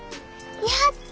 やった！